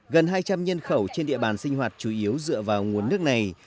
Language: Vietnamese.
gần hai trăm linh nhân khẩu trên địa bàn sinh hoạt chủ yếu dựa vào nguồn nước này